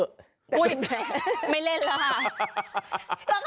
แหมไม่เล่นแล้วค่ะ